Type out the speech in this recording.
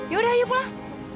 yaudah yuk pulang